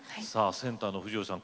センターの藤吉さん